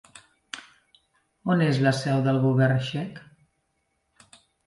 On és la seu del govern txec?